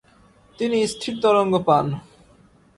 তিনি স্থির তরঙ্গ পান।